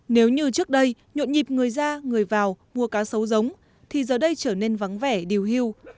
nếu như trước đây nhộn nhịp người ra người vào mua cá sấu giống thì giờ đây trở nên vắng vẻ điều hưu